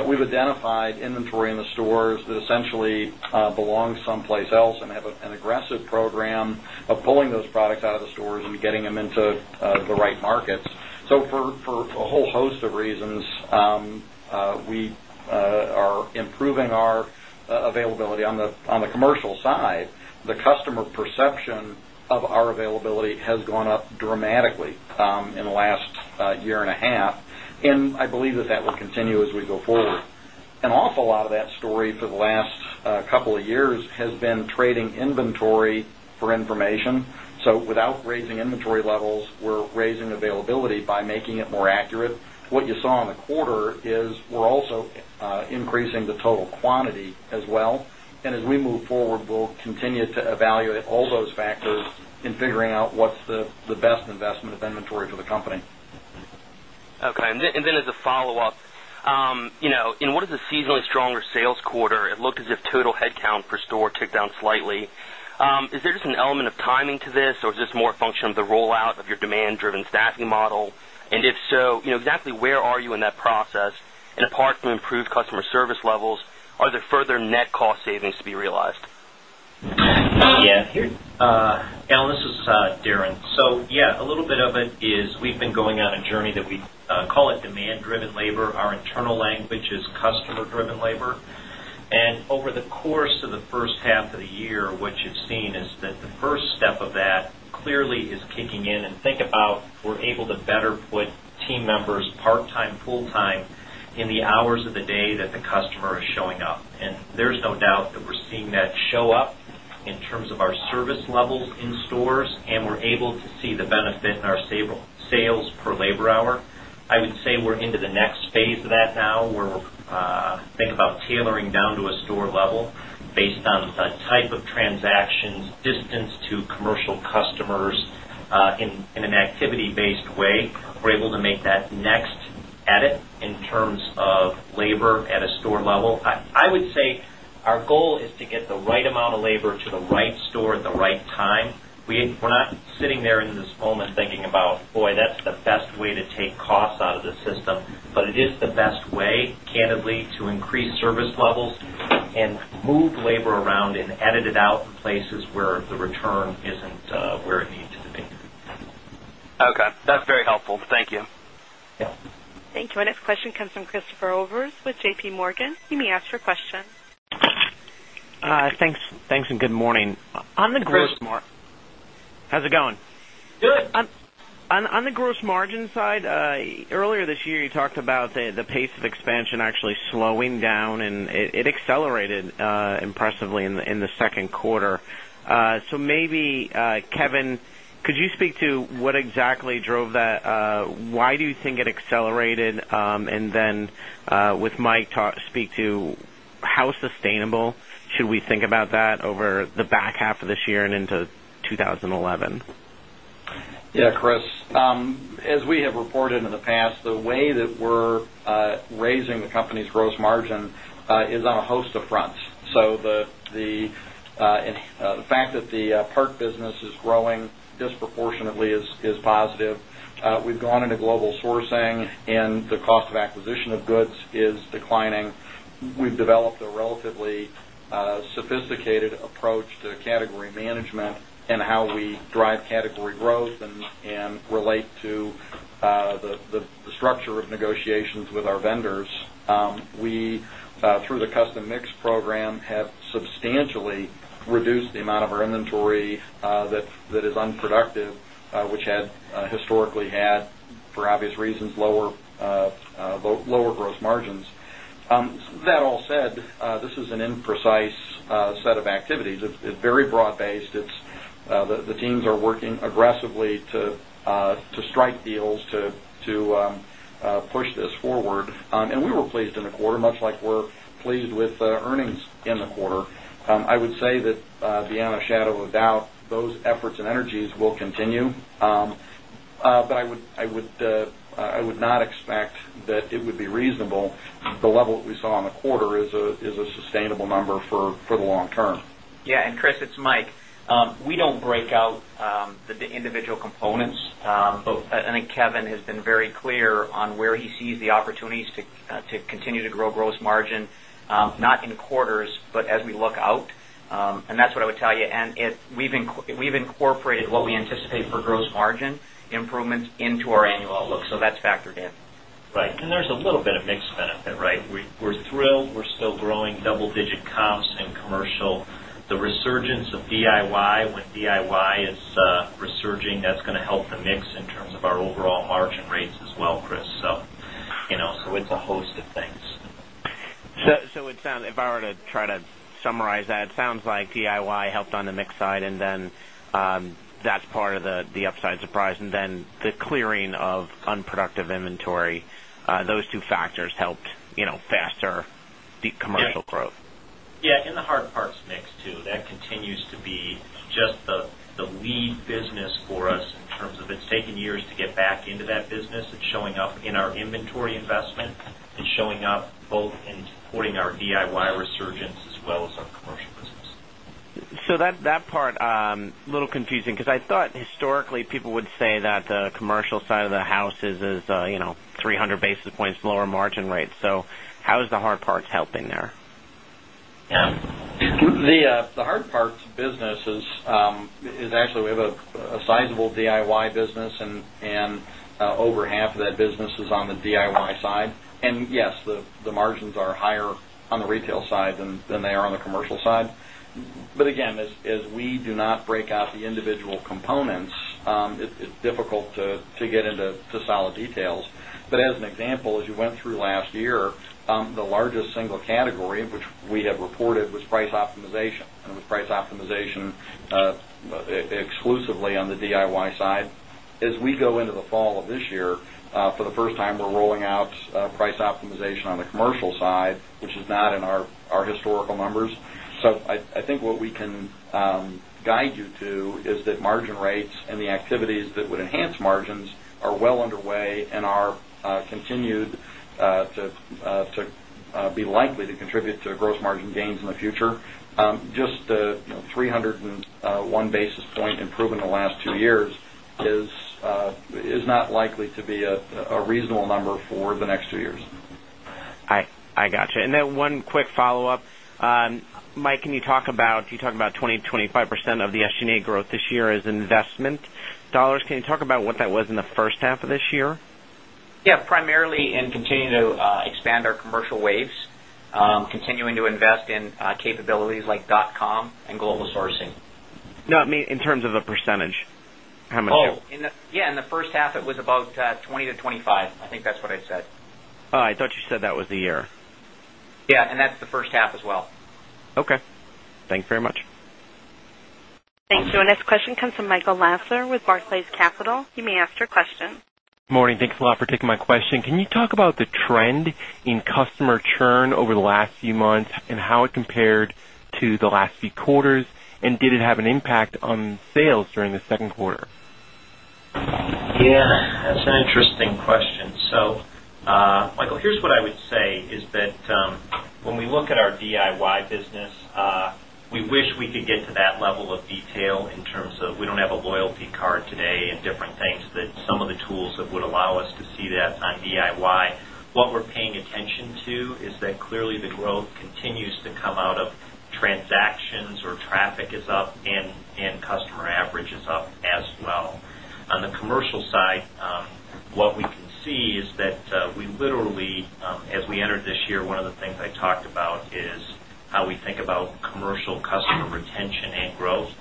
We've identified inventory in the stores that essentially belong someplace else and have an aggressive program of pulling those products out of the stores and getting them into the right markets. So for a whole host of reasons, we are improving our availability. On the commercial side, the customer perception of our availability has gone up dramatically in the last year and a half. And I believe that that will continue as we go forward. An awful lot of that story for the last couple of years has been trading inventory for information. So without raising inventory levels, we're raising availability by making it more accurate. What you saw in quarter is we're also increasing the total quantity as well. And as we move forward, we'll continue to evaluate all those factors in figuring out what's the best investment of inventory for the company. Okay. And then as a follow-up, in what is a seasonally stronger sales quarter, it looked as if total headcount per store ticked down slightly. Is there just an element of timing to this or is this more a function of the rollout of your demand driven staffing model? And if so, exactly where are you in that process? And apart from improved customer service levels, are there further net cost savings to be realized? Yes. Alan, this is Darren. So, yes, a little bit of it is we've been going on a journey that we call it demand driven labor. Our internal language is customer driven labor. And over the course of the first half of the year, what you've seen is that the first step of that clearly is kicking in and think about we're able to better put team members part time, full time in the hours of the day that the customer is showing up. And there's no doubt that we're seeing that show up in terms of our service levels in stores and we're able to see the benefit in our sales per labor hour. I would say we're into the next phase of that now where we think about tailoring down to a store level based on type of transactions, distance to commercial customers in an activity based way. We're able to make that next edit in terms of labor at a store level. I would say, our goal is to get the right amount of labor to the right store at the right time. We're not sitting there in this moment thinking about, boy, that's the best way to take costs out of the system. But it is the best way candidly to increase service levels and move labor around and edit it out in places where the return isn't where it needs to be. Okay. That's very helpful. Thank you. Thank you. Our next question comes from Christopher Overs with JPMorgan. You may ask your question. Thanks and good morning. Good. How's it going? Good. On the gross margin side, earlier this year, you talked about the pace of expansion actually slowing down and it accelerated impressively in the second quarter. So maybe, Kevin, could you speak to what exactly drove that? Why do you think it accelerated? And then with Mike talk, speak to how sustainable should we think about that over the back half of this year and into 2011? Yes, Chris. As we have reported in the past, the way that we're raising the company's gross margin is on a host of fronts. So fact that the park business is growing disproportionately is positive. We've gone into global sourcing and the cost of acquisition of goods is declining. We've developed a relatively sophisticated approach to category management and how we drive category growth and relate to the structure of negotiations with our vendors. We, through the custom mix program, have substantially reduced the amount of our inventory that is unproductive, which had historically had, for obvious reasons, lower gross margins. That all said, this is an imprecise set of activities. It's very broad based. The teams are working aggressively to strike deals to push this forward. And we were pleased in the quarter much like we're pleased with earnings in the quarter. I would say that beyond a shadow of doubt, those efforts and energies will continue. But I would not expect that it would be reasonable the level that we saw in the quarter is a sustainable number for the long term. Yes. And Chris, it's Mike. We don't break out the individual components. I think Kevin has been very clear on where he sees the opportunities to continue to grow gross margin, not in quarters, but as we look out. And that's what I would tell you. And we've incorporated what we anticipate for gross margin improvements into our annual outlook. So that's factored in. Right. And there's a little bit of into our annual outlook. So that's factored in. Right. And there's a little bit of mix benefit, right? We're thrilled. We're still growing double digit comps in commercial. The resurgence of DIY, when DIY is resurging, that's going to help the mix in terms of our overall margin margin rates as well, Chris. So it's a host of things. So it sounds if I were to try to summarize that, it sounds like DIY helped on the mix side and then that's part of the upside surprise and then the clearing of unproductive inventory, those two factors helped faster the commercial growth. Yes. In the hard parts mix too, that continues to be just the lead business for us in terms of it's taking years to get back into that business. It's showing up in our inventory investment. It's showing up both in supporting our DIY resurgence as well as our commercial business. So that part, little confusing, because I thought historically people would say that the commercial side of the house is 300 basis points lower margin rate. So how is the hard parts helping there? The hard parts to businesses is actually we have a sizable DIY business and over half of that business is on the DIY side. And yes, the margins are higher on the retail side than they are on the commercial side. But again, as we do not break out the individual components, it's difficult to get into solid details. But as an example, as you went through last year, the largest single category in which we have reported was price optimization and it was price optimization exclusively on the DIY side. As we go into the fall of this year, for the first time, we're rolling out price optimization on the commercial side, which is not in our historical numbers. So I think what we can guide you to is that margin rates and the activities that would enhance margins are well underway and are continued to be likely to contribute to gross margin gains in the future. Just 301 basis point improvement in the last 2 years is not likely to be a reasonable number for the next 2 years. I got you. And then one quick follow-up. Mike, can you talk about if you talk about 20%, 25% of the SG and A growth this year as investment dollars. Can you talk about what that was in the first half of this year? Yes, primarily and continue to expand our commercial waves, continuing to invest in capabilities like dotcom and global sourcing. No, I mean in terms of the percentage, how much? Oh, in the first half it was about 20 to 25. I think that's what I said. I thought you said that was the year. Yes, and that's the first half as well. Okay. Thanks very much. Thank you. Our next question comes from Michael Lasser with Barclays Capital. You may ask your Can you talk about the trend in customer churn over the last few months and how it compared to the last few quarters? And did it have an impact on sales during the second quarter? Yes. That's an interesting question. So, Michael, here's what I would say is that when we look at our DIY business, we wish we could get to that level of detail in terms of we don't have a loyalty card today and different things that some of the tools that would allow us to see that on DIY. What we're paying attention to is that clearly the growth continues to come out of transactions where traffic is up and customer average is up as well. On the commercial side, what we can see is that we literally as we entered this year, one of the things I talked about is how we think about commercial customer retention and growth.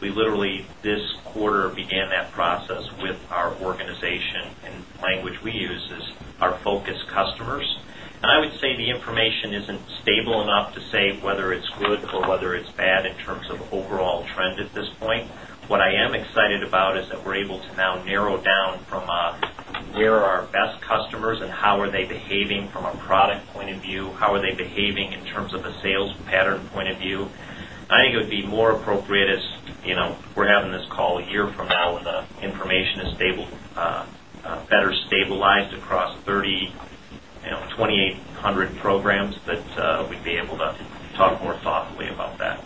We literally this quarter began that process with our organization and language we use is our focus customers. And I would say the information isn't stable enough to say whether it's good or whether it's bad in terms of overall trend at this point. What I am excited about is that we're able to now narrow down from where our best customers and how are they behaving from a product point of view, how are they behaving in terms of a sales pattern point of view. I think it would be more appropriate as we're having this call a year from now when the information is stable better stabilized across 3,008 100 programs, but we'd be able to talk more thoughtfully about that.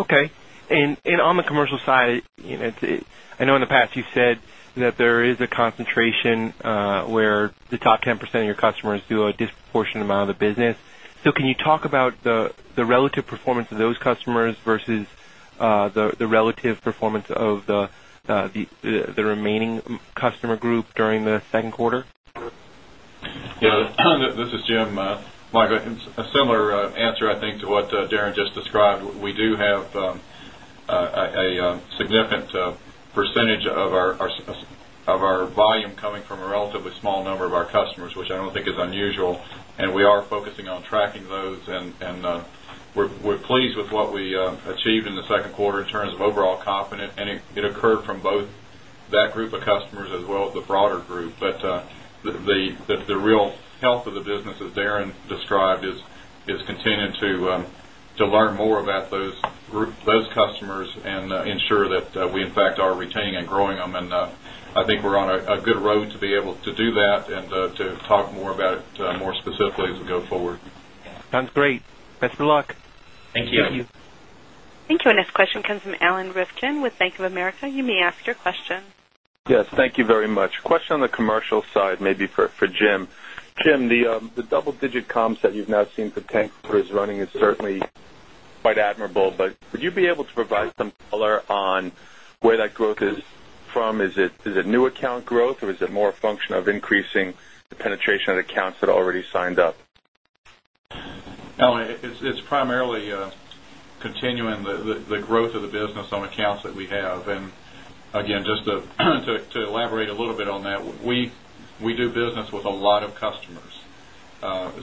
Okay. And on the commercial side, I know in the past you've said that there is a concentration where the top 10% of your customers do a disproportionate amount of the business. So can you talk about the relative performance of those customers versus the relative performance of the remaining customer group during the Q2? Yes. This is Jim, Michael. A similar answer I think to what Darren just described, we do have a significant percentage of our volume coming from a relatively small number of our customers, which I don't think is unusual and we are focusing on tracking those and we're pleased with what we achieved in the Q2 in terms of overall confidence and it occurred from both that group of customers as well as the broader group. But the real health of the business is Darren described is continuing to learn more about those customers and ensure that we in fact are retaining and growing them. And I think we're on a good road to be able to do that and to talk more about it more specifically as we go forward. Sounds great. Best of luck. Thank you. Thank you. Thank you. Our next question comes from Alan Rifkin with Bank of America. You may ask your question. Yes. Thank you very much. Question on the commercial side, maybe for Jim. Jim, the double digit comps that you've now seen for tankers running is certainly quite admirable, but would you be able to provide some color on where that growth is from? Is it new account growth or is it more a function of increasing the penetration of accounts that already signed up? It's primarily continuing the growth of the business on accounts that we have. And again, just to elaborate a little bit on that, we do business with a lot of customers.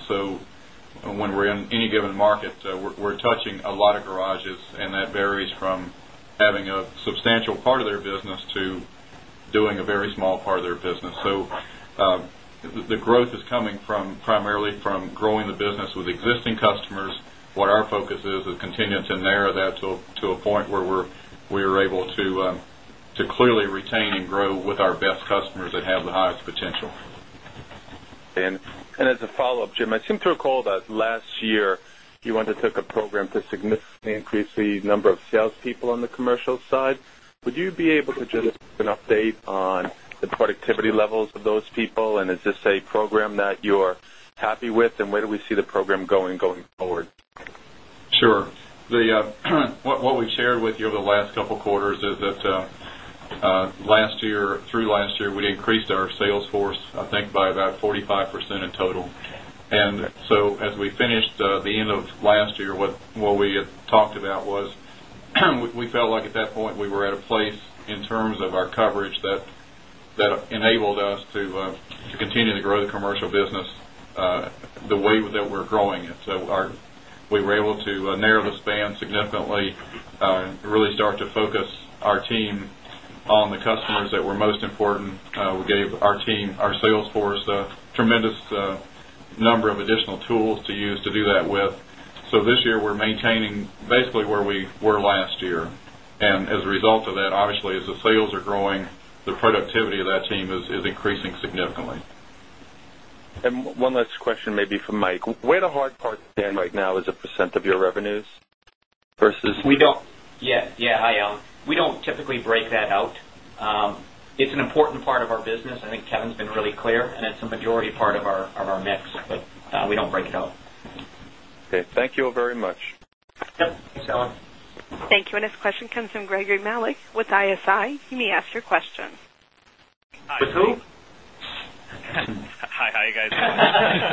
So, when we're in any given market, we're touching a lot of garages and that varies from having a substantial part of their business to doing a very small part of their business. So, the growth is coming from primarily from And as a follow-up, Jim, I seem to recall that last year you want to took a program to significantly increase the number of salespeople on the commercial side. Would you be able to just give an update on the productivity levels of those people and is this a program that you're happy with? And where do we see the program going, going forward? Sure. What we've shared with you over the last couple of quarters is that last year through last year, we increased our sales force, I think, by about 45% in total. And so as we finished the end of last year, what we had talked about was we felt like at that point we were at a place in terms of our coverage that enabled us to continue to grow the commercial business the way that we're growing it. So, we were able to narrow the span significantly and really start to focus our team on the customers that were most important. We gave our team, our sales force a tremendous number of additional tools to use to do that with. So, this year we're maintaining basically where we were last year. And as a result of that, obviously as the sales are growing, the productivity of that team is increasing significantly. And one last question maybe for Mike. Where the hard part stand right now as a percent of your revenues versus We don't. Yes, yes. Hi, Al. We don't typically break that out. It's an important part of our business. I think Kevin has been really clear and it's a majority part of our mix, but we don't break it out. Okay. Thank you very much. Thanks, Alan. Thank you. Our next question comes from Gregory Malek with ISI. You may ask your question. Hi, guys.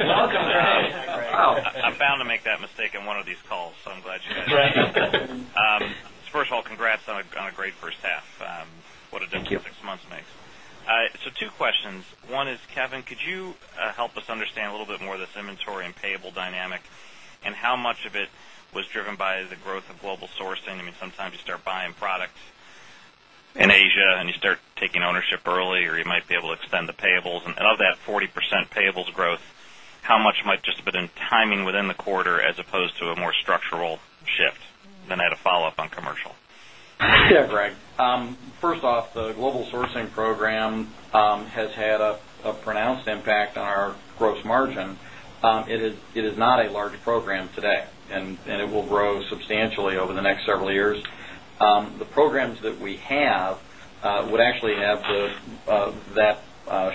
Welcome, Gregory. I'm bound to make that mistake in one of these calls. So I'm glad you guys. First of all, congrats on a great first half. What a difference 6 months makes. So two questions. One is, Kevin, could you help us understand a little bit more of this inventory and payable dynamic? And how much of it was driven by the growth of global sourcing? I mean, sometimes you start buying products in Asia and you start taking ownership early or you might be able to extend the payables. And of that 40% payables growth, how much might just have been in timing within the quarter as opposed to a more structural shift? Then I had a follow-up on commercial. Yes, Greg. First off, the global sourcing program has had a pronounced impact on our gross margin. It is not a large program today and it will grow substantially over the next several years. The programs that we have would actually have that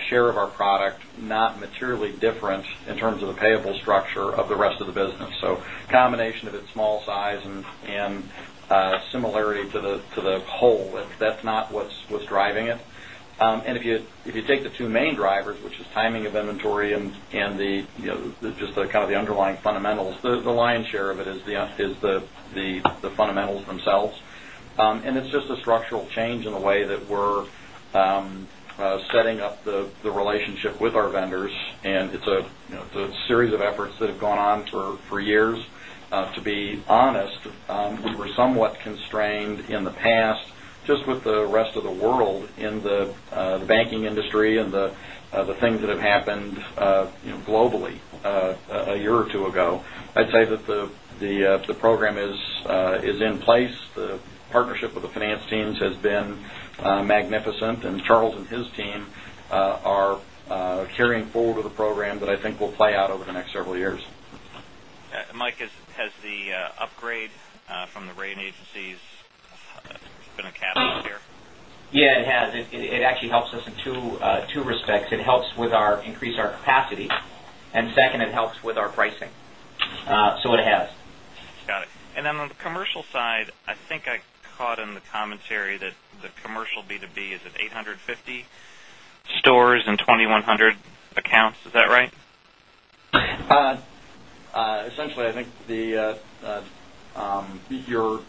share of our product not materially different in terms of the payable structure of the rest of the business. So combination of its small size and similarity to the whole, that's not what's driving it. And if you take the 2 main drivers, which is timing of inventory and the just the kind of the underlying fundamentals, the lion's share of it is the fundamentals themselves. And it's just a structural change in a way that we're setting up the relationship with our vendors. And it's a series of efforts that have gone on for years. To be honest, we were somewhat constrained in the past just with the rest of the world in the banking industry and the things that have happened globally a year or 2 ago. I'd say that the program is in place. The partnership with the finance teams has been magnificent and Charles and his team are carrying forward with a program that I think will play out over the next several years. Mike, has the upgrade from the rating agencies been a catalyst here? Yes, it has. It actually helps us in 2 respects. It helps with our increase our capacity. And second, it helps with our pricing. So, it has. Got it. And then on the commercial side, I think I caught in the commentary that the commercial B2B is at 850 stores and 2,100 accounts, is that right? Essentially, I think the you're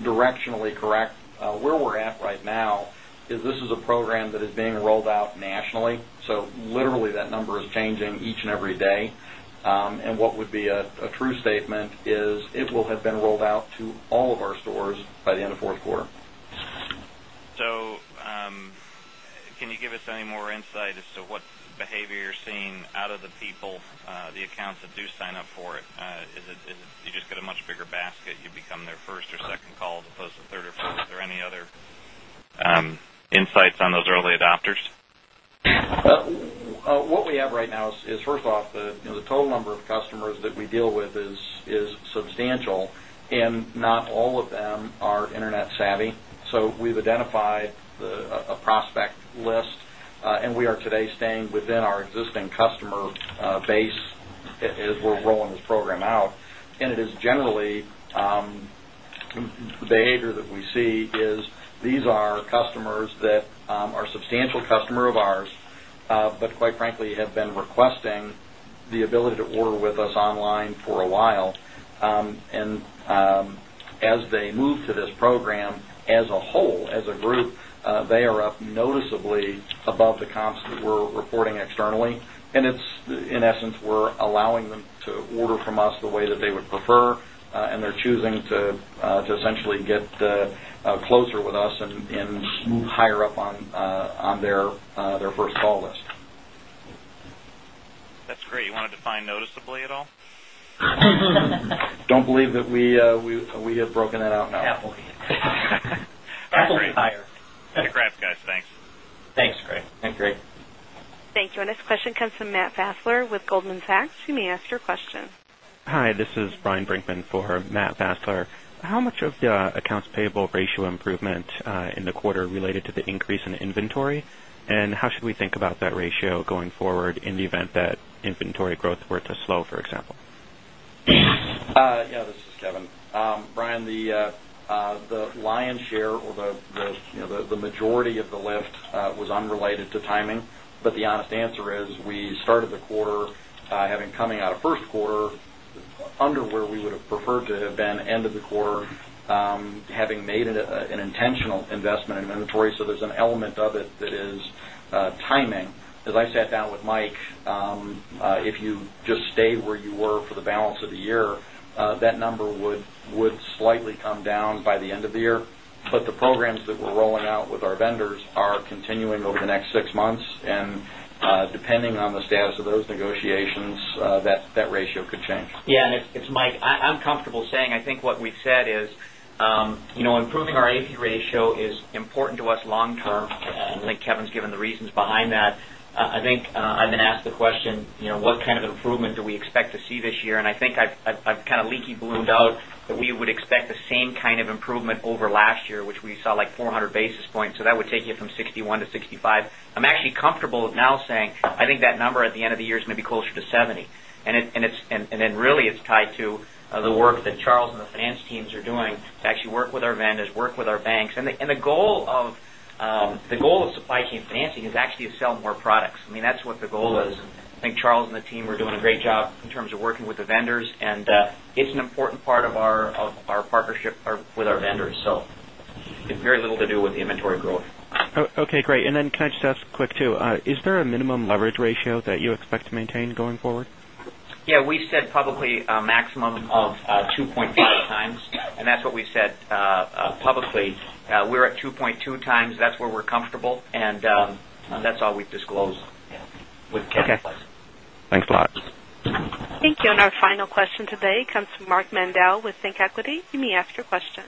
directionally correct. Where we're at right now is this is a program that is being rolled out nationally. So literally that number is changing each and every day. And what would be a true statement is it will have been rolled out to all of our stores by the end of Q4. So can you give us any more insight as to what behavior you're seeing out of the people, the accounts that do sign up for it? Is it you just get a much bigger basket, you become their 1st or second call as opposed to 3rd or first? Is there any other insights on those early adopters? What we have right now is, first off, the total number of customers that we deal with is substantial and not all of them are Internet savvy. So we've identified a prospect list and we are today staying within our existing customer base as we're rolling this program out. And it is generally behavior that we see is these are customers that are substantial customer of ours, but quite frankly have been requesting the ability to order with us online for a while. And as they move to this program as a whole, as a group, they are up noticeably above the comps that we're reporting externally. And it's in essence, we're allowing them to order from us the way that they would prefer and they're choosing to essentially get closer with us and move higher up on their first call list. That's great. You want to define noticeably at all? Don't believe that we have broken that out now. Appreciate it. That's great. That's great. Thanks, Craig. Thank you. Our next question comes from Matt Fassler with Goldman Sachs. You may ask your question. Hi, this is Brian Brinkman for Matt Vassler. How much of the accounts payable ratio improvement in the quarter related to the increase in inventory? And how should we think about that ratio going forward in the event that inventory growth were to slow, for example? Yes, this is Kevin. Brian, the lion's share or the majority of the lift was unrelated to timing. But the honest answer is we started the quarter having coming out of Q1 under where we would have preferred to have been end of the quarter, having made an intentional investment in inventory. So there's an element of it that is timing. As I sat down with Mike, you just stay where you were for the balance of the year, that number would slightly come down by the end of the year. But the programs that we're rolling out with our vendors are continuing over the next 6 months. And depending on the status of those negotiations, that ratio could change. Yes. And it's Mike. I'm comfortable saying, I think what we've said is improving our AP ratio is important to us long term. And I think Kevin has given the reasons behind that. I think I then asked the question, what kind of improvement do we expect to see this year? And I think I've kind of leaky ballooned out that we would expect the same kind of improvement over last year, which we saw like 400 basis points. So that would take you from 61 to 65. I'm actually comfortable with now saying, I think that number at the end of the year is maybe closer to 70. And then really it's tied to the work that Charles and the finance teams are doing to actually work with our vendors, work with our banks. And the goal of supply chain financing is actually to sell more products. I mean, that's what the goal is. I think Charles and the team are doing a great job in terms of working with the vendors and it's an important part of our partnership with our vendors. So it's very little to do with inventory growth. And then can I just ask quick too? Is there a minimum leverage ratio that you expect to maintain going forward? Yes, we've said publicly a maximum of 2.5 times and that's what we've said publicly. We're at 2.2 times, that's where we're comfortable and that's all we've disclosed with CapEx. Okay. Thanks a lot. Thank you. And our final question today comes from Mark Mandel with ThinkEquity. You may ask your question.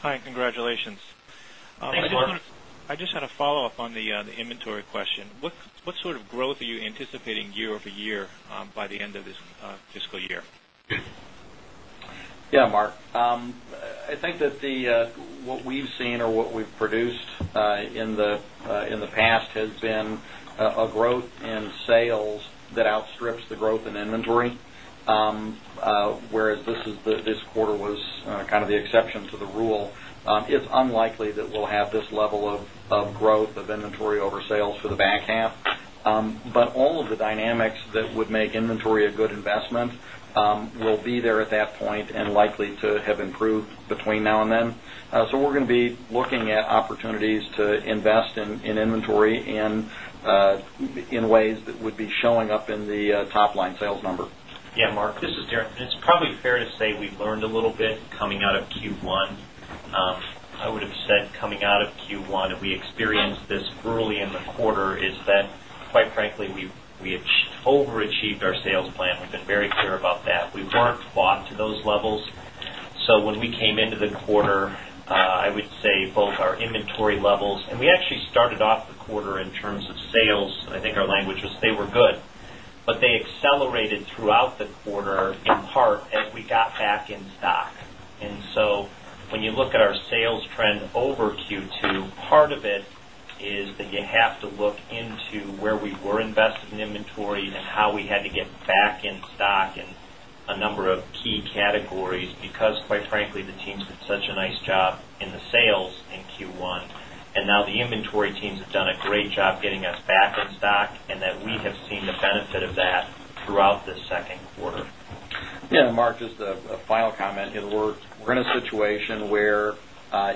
Hi, congratulations. Thanks Mark. I just had a follow-up on the inventory question. What sort of growth are you anticipating year over year by the end of this fiscal year? Yes, Mark. I think that the what we've seen or what we've produced in the past has been a growth in sales that outstrips the growth in inventory, whereas this quarter was kind of the exception to the rule. It's unlikely that we'll have this level of growth of inventory over sales for the back half. But all of the dynamics that would make inventory a good investment will be there at that point and likely line sales number. Yes, Mark, this is Darren. It's probably fair to say we've learned a little bit coming out of Q1. I would have said coming out of Q1, and we experienced this early in the quarter is that quite frankly, we overachieved our sales plan. We've been very clear about that. We weren't bought to those levels. So when we came into the quarter, I would say both our inventory levels and we actually started off the quarter in terms of sales, I think our language was they were good, but they accelerated throughout the quarter in part as we got back in stock. And so when you look at our sales trend over Q2, part of it is that you have to look in to where we were invested in inventory and how we had to get back in stock in a number of key categories because quite frankly the teams did such a nice job in the sales in Q1. And now the inventory teams have a great job getting us back in stock and that we have seen the benefit of that throughout the Q2. Yes. Mark, just a final comment. We're in a situation where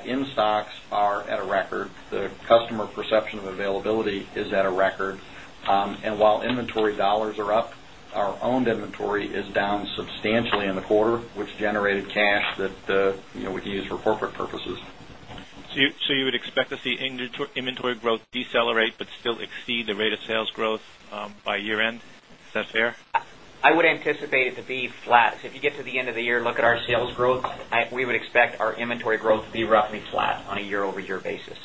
in stocks are at a record, the customer perception of availability is at a record. And while in And while inventory dollars are up, our owned inventory is down substantially in the quarter, which generated cash that we can use for corporate purposes. So you would expect to see inventory growth decelerate, but still exceed the rate of sales growth by year end, is that fair? I would anticipate it to be flat. If you get to the end of the year, look at our sales growth, we would expect our inventory growth to be roughly flat on a year over year basis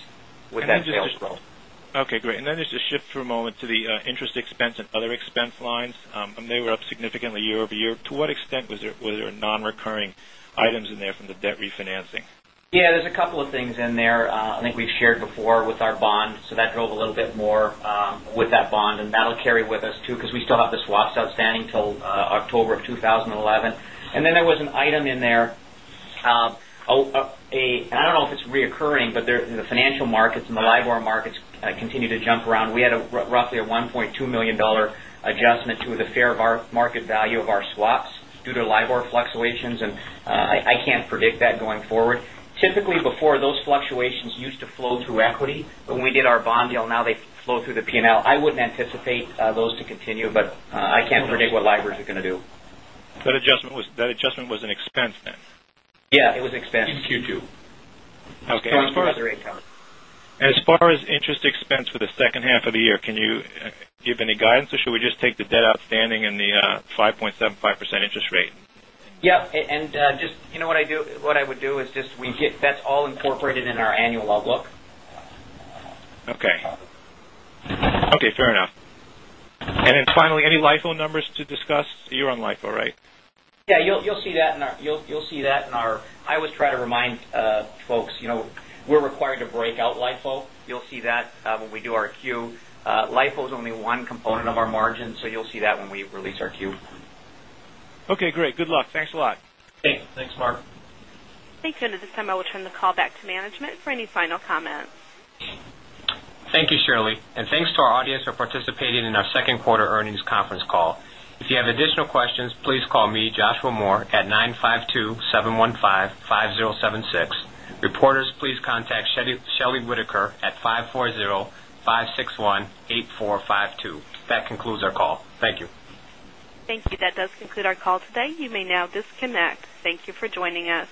with that sales growth. Okay, great. And then just to shift for a moment to the interest expense and other expense lines, they were up significantly year over year. To what extent was there non recurring items in there from the debt refinancing? Yes, there's a couple of things in there. I think we've shared before with our bond. So, that drove a little bit more with that bond and that will carry with us too, because we still have the swaps outstanding until October of 2011. And then there was an item in there, and I don't know if it's reoccurring, but the financial markets and the LIBOR markets continue to jump around. We had roughly a $1,200,000 adjustment to the fair market value of our swaps due to LIBOR fluctuations, and I can't predict that going forward. Typically, before, those fluctuations used to flow through equity, but when we did our bond deal, now they flow through the P and L. I wouldn't anticipate those to continue, but I can't predict what LIBORs are going to do. That adjustment was an expense then? Yes, it was expense. In Q2. Okay. And as far as interest expense for the second half of the year, can you give any guidance or should we just take the debt outstanding and the 5.75% interest rate? Yes. And just what I would do is just we get that's all incorporated in our annual outlook. Okay. Okay, fair enough. And then finally, any LIFO numbers to discuss? You're on LIFO, right? Yes, you'll see that in our I always try to remind folks, we're required to break out LIFO. You'll see that when we do our Q. LIFO is only one component of our margin. So you'll see that when we release our Q. Okay, great. Good luck. Thanks a lot. Thanks. Thanks, Mark. Thanks. And at this time, I will turn the call back to management for any final comments. Thank you, Shirley, and thanks to our audience for participating in our Q2 earnings conference call. If you have additional questions, please call me, Joshua Moore, at 952-seven 15-five 076. Reporters, please contact Shelly Whitaker at 540-561-8452. That concludes our call. Thank you. Thank you. That does conclude our call today. You may now disconnect. Thank you for joining us.